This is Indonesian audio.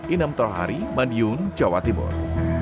inam tohari madiun jawa timur